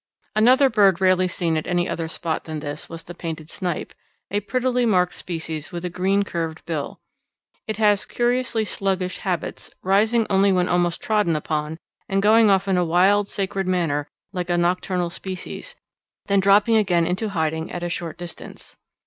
Another bird rarely seen at any other spot than this was the painted snipe, a prettily marked species with a green curved bill. It has curiously sluggish habits, rising only when almost trodden upon, and going off in a wild sacred manner like a nocturnal species, then dropping again into hiding at a short distance.